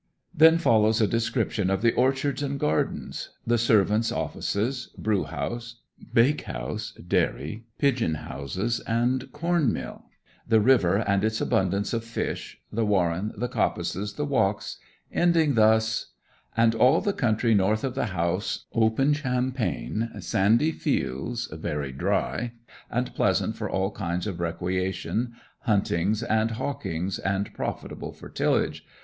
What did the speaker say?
Then follows a description of the orchards and gardens; the servants' offices, brewhouse, bakehouse, dairy, pigeon houses, and corn mill; the river and its abundance of fish; the warren, the coppices, the walks; ending thus 'And all the country north of the house, open champaign, sandy feildes, very dry and pleasant for all kindes of recreation, huntinge, and hawkinge, and profitble for tillage